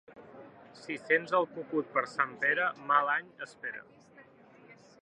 Si sents el cucut per Sant Pere, mal any espera.